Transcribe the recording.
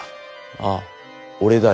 ああ俺だよ。